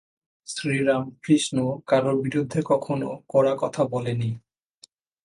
শ্রীরামকৃষ্ণ কারও বিরুদ্ধে কখনও কড়া কথা বলেননি।